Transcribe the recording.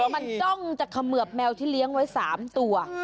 มันจ้องจะเขมือบแมวที่เลี้ยงไว้๓ตัว